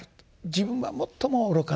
自分は最も愚かなもの。